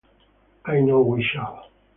I know we shall.